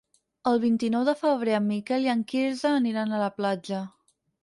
El vint-i-nou de febrer en Miquel i en Quirze aniran a la platja.